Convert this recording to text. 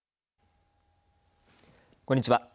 こんにちは。